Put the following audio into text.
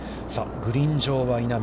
グリーン上は稲見。